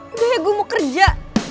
enggak ya gue mau kerja